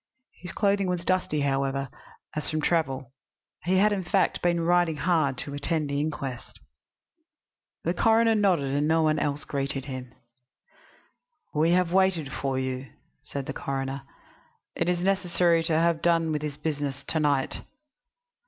His clothing was dusty, however, as from travel. He had, in fact, been riding hard to attend the inquest. The coroner nodded; no one else greeted him. "We have waited for you," said the coroner. "It is necessary to have done with this business to night."